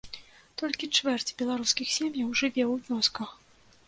Толькі чвэрць беларускіх сем'яў жыве ў вёсках.